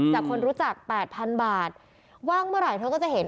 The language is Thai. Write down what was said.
คนรู้จัก๘๐๐๐บาทว่างเมื่อไหร่เธอก็จะเห็น